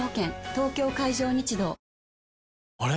東京海上日動あれ？